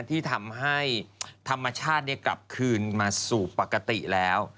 ที่ทำให้ธรรมชาติกลับคืนมาสู่ปกติแล้ว